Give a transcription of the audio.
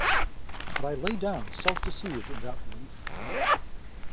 But I lay down, self-deceived, in that belief..